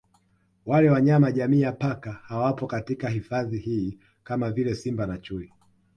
Wale wanyama jamii ya Paka hawapo katika hifadhi hii kama vile Simba na Chui